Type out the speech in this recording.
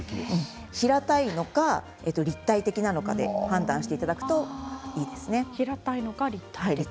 平たいのか、立体的なのかで判断していただくといいですね。